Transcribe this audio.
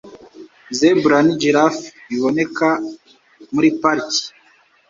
Zebrasi na giraffi biboneka muri pariki.